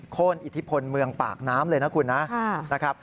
โค้นอิทธิพลเมืองปากน้ำเลยนะคุณนะนะครับ